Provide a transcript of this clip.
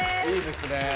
いいですね